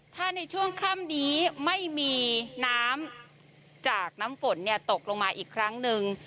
ถ้าในช่วงค่ำนี้ไม่มีน้ำจากน้ำฝนตกลงมาอีกครั้งหนึ่ง